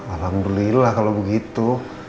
alhamdulillah kalau begitu